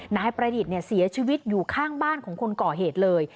นายประดิษฐ์เสียชีวิตอยู่ข้างบ้านของคนก่อเหตุเลย